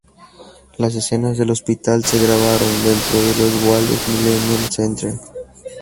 Las escenas del hospital se grabaron dentro del Wales Millenium Centre.